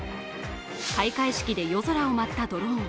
開会式で夜空を舞ったドローン。